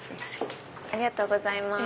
ありがとうございます。